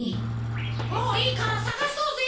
もういいからさがそうぜ！